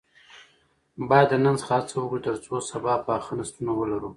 باید له نن څخه هڅه وکړو ترڅو سبا پاخه نسلونه ولرو.